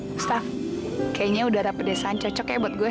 gustaf kayaknya udara pedesan cocok ya buat gue